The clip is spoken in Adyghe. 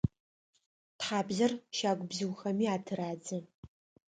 Тхьабзэр щагу бзыухэми атырадзэ.